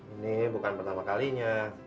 ini bukan pertama kalinya